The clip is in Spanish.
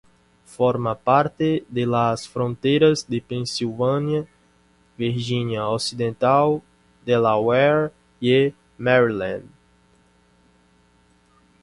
Forma parte de las fronteras de Pensilvania, Virginia Occidental, Delaware y Maryland.